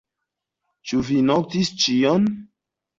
Ĉu vi notis ĉion?